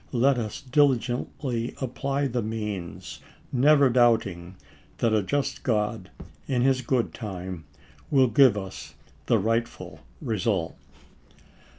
Let us diligently apply c*^1^ the means, never doubting that a just God, in his own 1863. ' good time, will give us the rightful result.